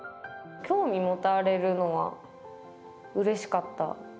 興味持たれるのはうれしかった。